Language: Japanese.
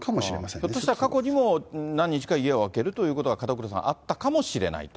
ひょっとしたら過去にも、何日か家を空けるということは門倉さん、あったかもしれないと？